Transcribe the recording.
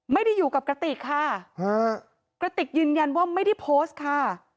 ไม่ได้อยู่กับกระติกค่ะกระติกยืนยันว่าไม่ได้โพสต์ค่ะ